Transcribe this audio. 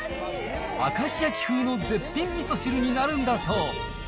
明石焼き風の絶品みそ汁になるんだそう。